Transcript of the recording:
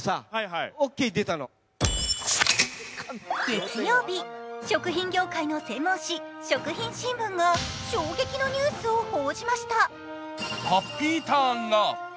月曜日、食品業界の専門紙「食品新聞」が衝撃のニュースを報じました。